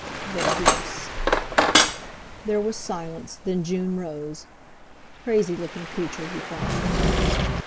"The deuce!" There was silence, then June rose. 'Crazylooking creature!' he thought.